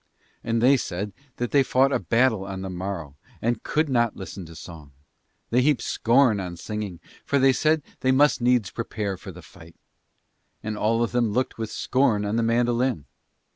And they said that they fought a battle on the morrow and could not listen to song: they heaped scorn on singing for they said they must needs prepare for the fight: and all of them looked with scorn on the mandolin.